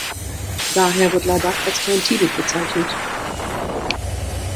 Daher wird Ladakh als "Klein-Tibet" bezeichnet.